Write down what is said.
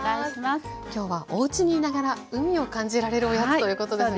きょうはおうちにいながら海を感じられるおやつということですね。